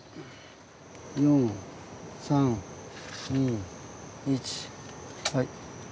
４３２１はい。